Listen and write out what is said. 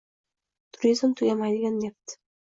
Turizm – tugamaydigan neft...